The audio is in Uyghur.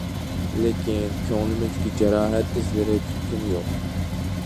لېكىن، كۆڭلىمىزدىكى جاراھەت ئىزلىرى پۈتكىنى يوق.